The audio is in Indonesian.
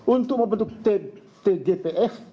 untuk membentuk tgpf